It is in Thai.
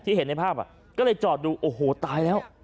เห็นในภาพก็เลยจอดดูโอ้โหตายแล้ว